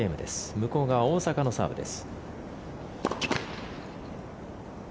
向こう側、大坂のサーブです。